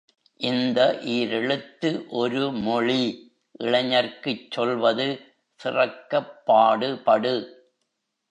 இந்த ஈரெழுத்து ஒரு மொழி, இளைஞர்க்குச் சொல்வது சிறக்கப் பாடு படு!